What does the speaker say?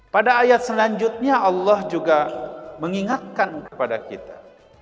pada ayat selanjutnya allah juga mengingatkan kepada kita